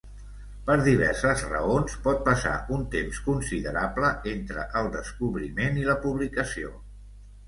Per diverses raons, pot passar un temps considerable entre el descobriment i la publicació.